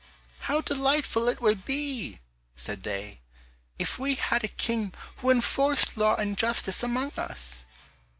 "How delightful it would be," said they, "if we had a king who enforced law and justice among us!"